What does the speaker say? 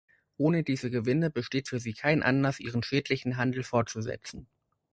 Ohne diese Gewinne besteht für sie kein Anlass, ihren schädlichen Handel fortzusetzen.